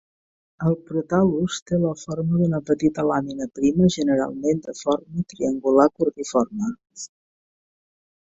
El protal·lus té la forma d'una petita làmina prima generalment de forma triangular cordiforme.